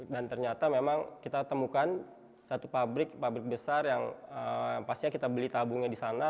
dan ternyata memang kita temukan satu pabrik pabrik besar yang pastinya kita beli tabungnya di sana